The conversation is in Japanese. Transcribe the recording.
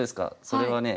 それはね